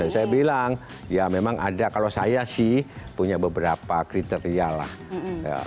saya bilang ya memang ada kalau saya sih punya beberapa kriteria lah